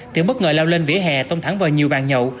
thì bất ngờ lao lên vỉa hè tông thẳng vào nhiều bàn nhậu